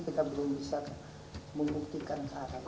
kita belum bisa membuktikan ke arah